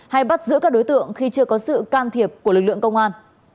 hay bắt giữ các đối tượng khi chưa có sự can thiệp của lực lượng công an